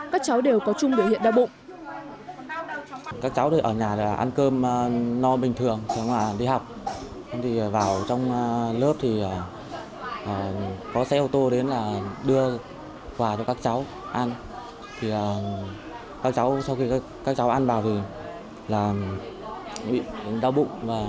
các cháu đều có chung biểu hiện đau bụng